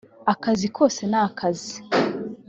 akazi kose nakazi